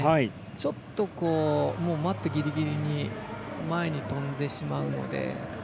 ちょっと、マットギリギリに前に跳んでしまうので。